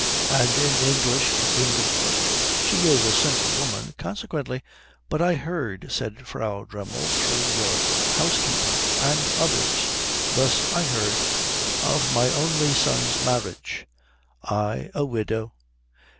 And, in English to Ingeborg, "She is a simple woman. Consequently " "But I heard," said Frau Dremmel. "Through your housekeeper. And others. Thus I heard. Of my only son's marriage. I a widow."